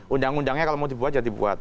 undang undangnya kalau mau dibuat ya dibuat